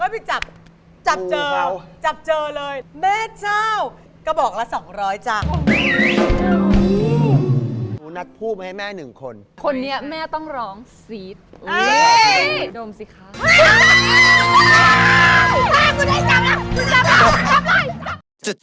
พี่อยากเรียนรู้เรื่องการเป็นพิธีกรนะ